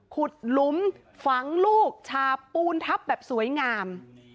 หลุมฝังลูกชาปูนทับแบบสวยงาม